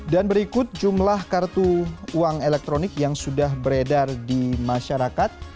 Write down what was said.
dan berikut jumlah kartu uang elektronik yang sudah beredar di masyarakat